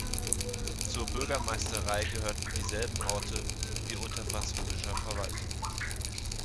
Zur Bürgermeisterei gehörten dieselben Orte, wie unter französischer Verwaltung.